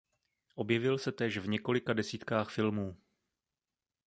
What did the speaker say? Objevil se též v několika desítkách filmů.